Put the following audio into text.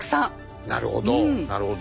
なるほどなるほど。